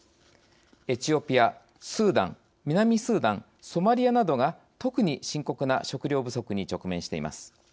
エチオピア、スーダン南スーダン、ソマリアなどが特に深刻な食糧不足に直面しています。